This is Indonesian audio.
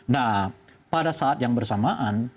nah pada saat yang bersamaan